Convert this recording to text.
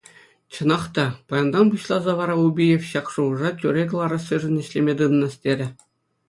Чӑнах та, паянтан пуҫласа вара Убиев ҫак шухӑша тӳрре кӑларассишӗн ӗҫлеме тытӑнас терӗ.